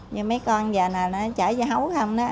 như mấy con giờ nè nó chở vô hấu không đó